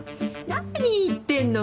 何言ってんの！